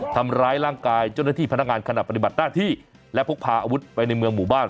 ทำร้ายร่างกายเจ้าหน้าที่พนักงานขณะปฏิบัติหน้าที่และพกพาอาวุธไปในเมืองหมู่บ้าน